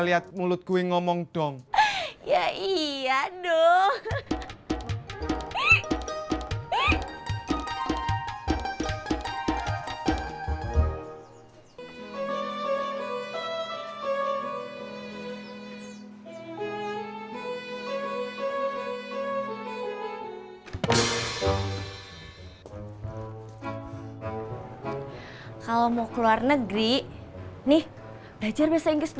lihat mulut gue ngomong dong iya iya dong kalau mau keluar negeri nih belajar bahasa inggris dulu